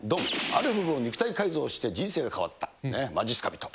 ある部分を肉体改造して人生が変わった、まじっすか人。